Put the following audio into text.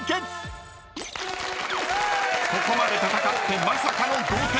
［ここまで戦ってまさかの同点］